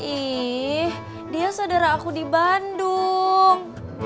ih dia saudara aku di bandung